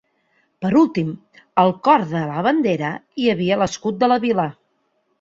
Per últim, al cor de la bandera hi ha l'escut de la vila.